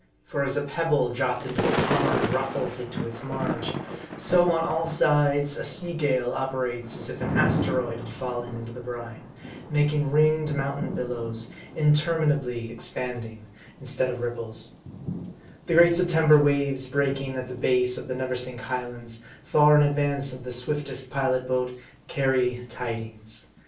For as a pebble dropped into a pond ruffles it to its marge ; so, on all sides, a sea gale operates as if an asteroid had fallen into the brine ; making ringed mountain billows? intermina bly expanding, instead of ripples. The great September waves breaking at the base of the Neversink Highlands, far in advance of the swiftest pilot boat, carry tidings.